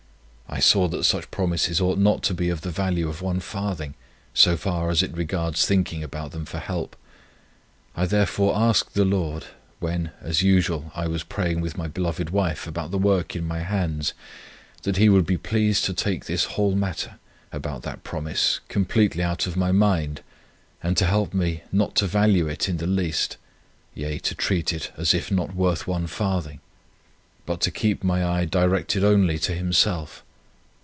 I saw that such promises ought not to be of the value of one farthing, so far as it regards thinking about them for help. I therefore asked the Lord, when, as usual, I was praying with my beloved wife about the work in my hands that He would be pleased to take this whole matter, about that promise, completely out of my mind, and to help me, not to value it in the least, yea, to treat it as if not worth one farthing, but to keep my eye directed only to Himself.